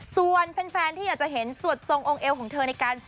ส่วนแฟนที่อยากจะเห็นสวดทรงองค์เอวของเธอในการ